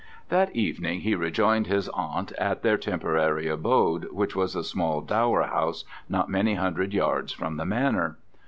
That evening he rejoined his aunt at their temporary abode, which was a small dower house not many hundred yards from the Manor.